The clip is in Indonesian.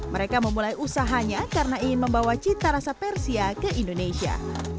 mereka memulai usahanya karena ingin membawa cita rasa persia ke indonesia